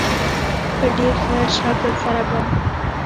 په ډېر ښه شکل سره په